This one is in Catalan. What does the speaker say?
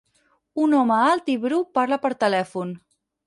Un home alt i bru parla per telèfon.